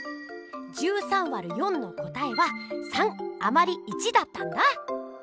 １３÷４の答えは３あまり１だったんだ！